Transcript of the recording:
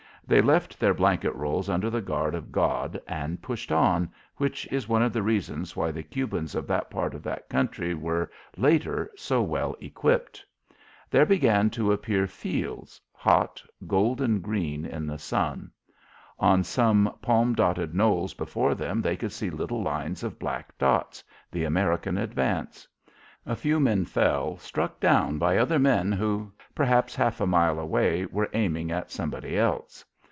They left their blanket rolls under the guard of God and pushed on, which is one of the reasons why the Cubans of that part of the country were, later, so well equipped. There began to appear fields, hot, golden green in the sun. On some palm dotted knolls before them they could see little lines of black dots the American advance. A few men fell, struck down by other men who, perhaps half a mile away, were aiming at somebody else.